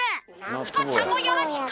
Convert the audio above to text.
チコちゃんもよろしく！